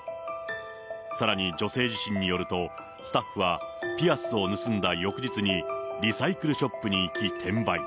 さらに女性自身によると、スタッフはピアスを盗んだ翌日にリサイクルショップに行き、転売。